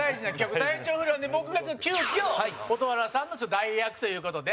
体調不良で、僕が急遽蛍原さんの代役という事で。